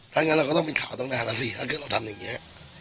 ถังั้นเราก็ต้องเป็นข่าวตลาดนะครับถ้าเกิดเราทำอย่างนี้